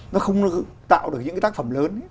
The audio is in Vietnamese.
nó không tạo được những tác phẩm lớn